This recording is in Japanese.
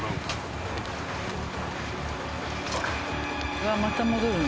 うわっまた戻るの？